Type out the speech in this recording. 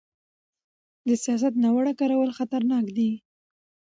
د سیاست ناوړه کارول خطرناک دي